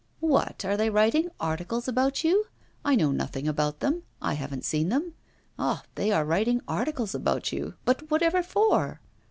'What, are they writing articles about you? I know nothing about them, I haven't seen them. Ah! they are writing articles about you, but whatever for?